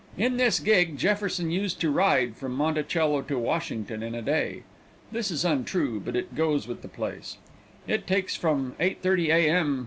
In this gig Jefferson used to ride from Monticello to Washington in a day. This is untrue, but it goes with the place. It takes from 8:30 A. M.